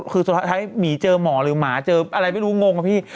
คือสุดท้ายหมีเจอหมอหรือหมาเจออะไรไม่รู้งงอะพี่